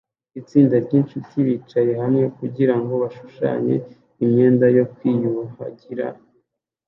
Itsinda ryinshuti bicaye hamwe kugirango bashushanye imyenda yo kwiyuhagira